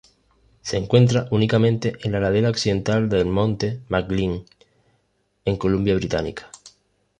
Se encuentra únicamente en la ladera oriental del monte McLean, en Columbia Británica.